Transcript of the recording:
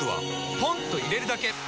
ポンと入れるだけ！